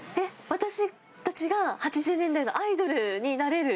私たちが８０年代のアイドルになれる？